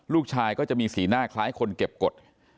ลูกชายก็จะมีสีหน้าคล้ายคนเก็บกฎ